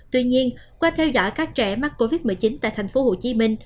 tuy nhiên qua theo dõi các trẻ mắc covid một mươi chín tại tp hcm